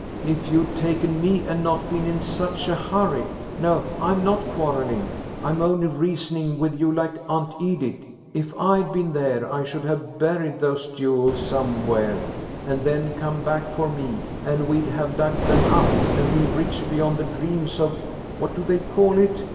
"If you'd taken me and not been in such a hurry–no, I'm not quarrelling, I'm only reasoning with you like Aunt Edith–if I'd been there I should have buried those jewels somewhere and then come back for me, and we'd have dug them up, and been rich beyond the dreams of–what do they call it?"